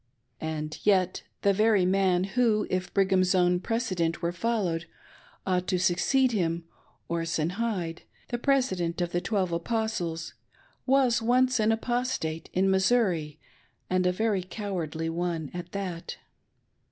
And yet the very man, who if Brigham's own precedent were followed, ought to succeed him — Orson Hyde, the President of the Twelve Apostles, was once an Apostate, in Missouri, and a very cowardly one at that.